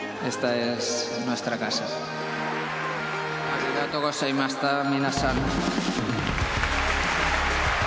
ありがとうございました皆さん。